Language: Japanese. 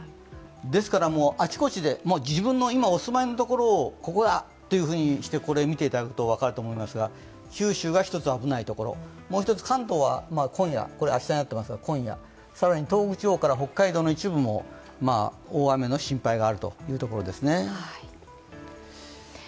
ですからあちこちで、今自分がお住まいのとこをここだというふうにして、これを見ていただくと分かると思いますが九州がひとつ危ないところ、もう一つ関東は今夜、更に東北地方から北海道の一部も大雨の心配があるというところです。